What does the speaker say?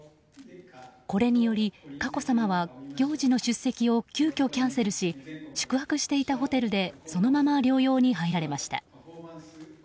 これにより、佳子さまは行事の出席を急きょキャンセルし宿泊していたホテルでそのまま療養に入られました。